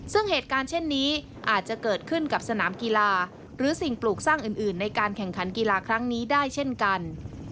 ซึ่งเหตุการณ์เช่นนี้อาจจะเกิดขึ้นกับสนามกีฬาหรือสิ่งปลูกสร้างอื่นในการแข่งขันกีฬาครั้งนี้ได้เช่นกัน